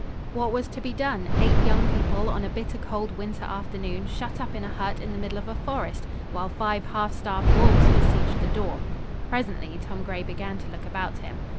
What was to be done? Eight young people, on a bitter cold winter afternoon, shut up in a hut in the middle of a forest while five half starved wolves besieged the door. Presently Tom Gray began to look about him.